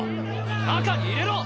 中に入れろ！